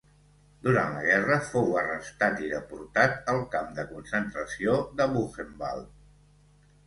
Durant la guerra fou arrestat i deportat al camp de concentració de Buchenwald.